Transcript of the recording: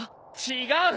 違う！